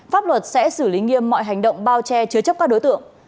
pháp luật sẽ xử lý nghiêm mọi hành động bao che chứa chấp các đối tượng